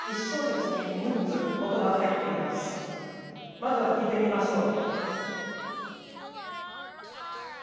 まずは聴いてみましょう。